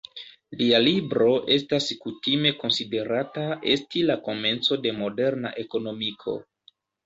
Lia libro estas kutime konsiderata esti la komenco de moderna ekonomiko.